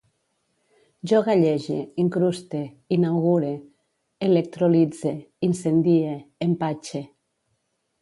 Jo gallege, incruste, inaugure, electrolitze, incendie, empatxe